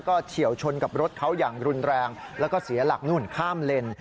เฉียวชนกับรถเขาอย่างรุนแรงแล้วก็เสียหลักนู่นข้ามเลน